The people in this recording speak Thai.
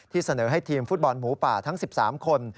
เสนอให้ทีมฟุตบอลหมูป่าทั้ง๑๓คน